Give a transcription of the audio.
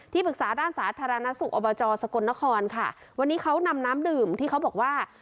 ปรึกษาด้านสาธารณสุขอบจสกลนครค่ะวันนี้เขานำน้ำดื่มที่เขาบอกว่า